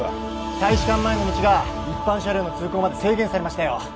大使館前の道が一般車両の通行まで制限されましたよ